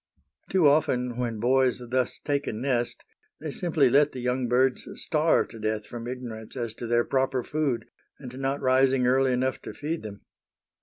Too often when boys thus take a nest they simply let the young birds starve to death from ignorance as to their proper food and not rising early enough to feed them.